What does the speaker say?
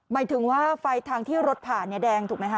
หมายถึงว่าไฟทางที่รถผ่านแดงถูกไหมค